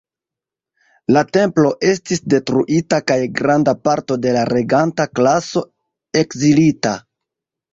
La templo estis detruita kaj granda parto de la reganta klaso ekzilita.